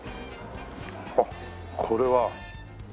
あっこれは。